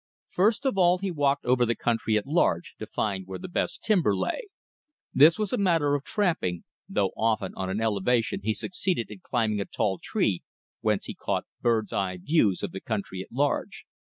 First of all he walked over the country at large, to find where the best timber lay. This was a matter of tramping; though often on an elevation he succeeded in climbing a tall tree whence he caught bird's eye views of the country at large.